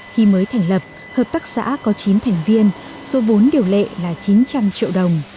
khi mới thành lập hợp tác xã có chín thành viên số vốn điều lệ là chín trăm linh triệu đồng